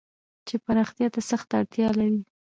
چې پراختيا ته سخته اړتيا لري.